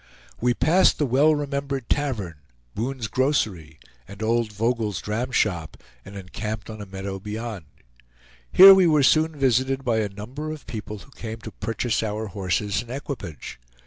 We passed the well remembered tavern, Boone's grocery and old Vogel's dram shop, and encamped on a meadow beyond. Here we were soon visited by a number of people who came to purchase our horses and equipage.